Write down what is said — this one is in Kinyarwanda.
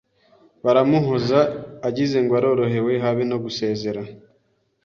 Baramuhoza agizengo arorohehewe habe no gusezera